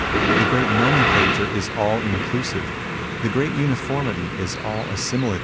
The great Nomenclature is all inclusive. The great Uniformity is all assimilative.